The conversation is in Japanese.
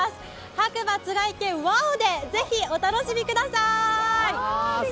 白馬つがいけＷＯＷ！でぜひお楽しみくださーい。